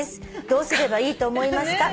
「どうすればいいと思いますか？」